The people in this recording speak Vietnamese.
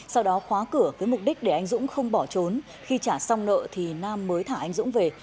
sau đó khóa cửa với mục đích để anh dũng không bỏ trốn khi trả xong nợ thì nam mới thả anh dũng về